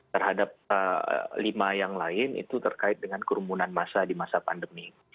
terhadap lima yang lain itu terkait dengan kerumunan masa di masa pandemi